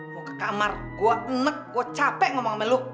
mau ke kamar gua enek gua capek ngomong sama lo